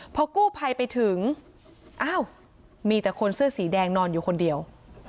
พอกู้ภัยไปถึงอ้าวมีแต่คนเสื้อสีแดงนอนอยู่คนเดียว